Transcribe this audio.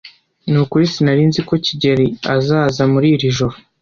Nukuri sinari nzi ko kigeli azaza muri iri joro.